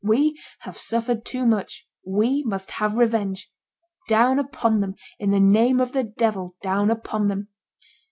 We have suffered too much; we must have revenge; down upon them, in the name of the devil, down upon them.